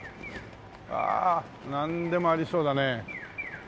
ああなんでもありそうだね。